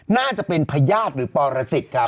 น่าจะเป็นพยาบหรือปอลาซิตครับ